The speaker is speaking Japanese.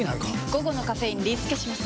午後のカフェインリスケします！